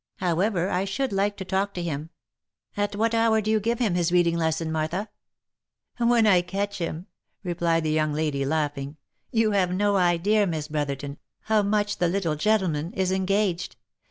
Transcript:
However, I should like to talk to him. At what hour do you give him his reading lesson, Martha?" " When I can catch him," replied the young lady, laughing. You have no idea, Miss Brotherton, how much the little gentleman is en gaged.